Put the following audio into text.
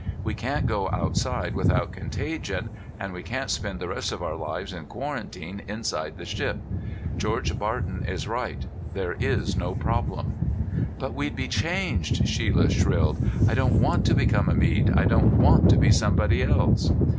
We can't go outside without contagion, and we can't spend the rest of our lives in quarantine inside the ship. George Barton is right there is no problem." "But we'd be changed!" Shelia shrilled. "I don't want to become a Mead! I don't want to be somebody else!"